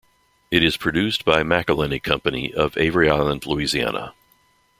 It is produced by McIlhenny Company of Avery Island, Louisiana.